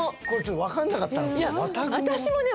これ分かんなかったんです。